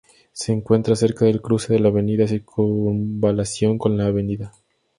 Se encuentra cerca del cruce de la Avenida Circunvalación con la Av.